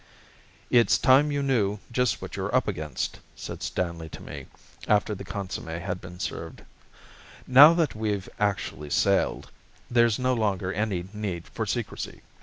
"It's time you knew just what you're up against," said Stanley to me after the consomme had been served. "Now that we've actually sailed, there's no longer any need for secrecy.